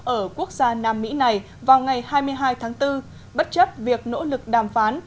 ở quốc gia nam mỹ này vào ngày hai mươi hai tháng bốn bất chấp việc nỗ lực đàm phán